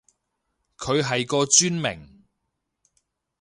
佢係個專名